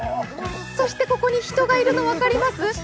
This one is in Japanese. そしてここに人がいるの分かります？